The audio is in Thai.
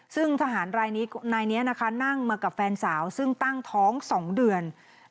ซึ่งทหารรายนี้นั่งมากับแฟนสาวซึ่งตั้งท้อง๒เดือน